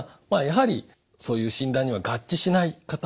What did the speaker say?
やはりそういう診断には合致しない方